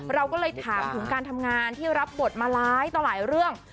เราก็เลยถามถึงการทำงานที่รับบทมาร้ายต่อหลายเรื่อง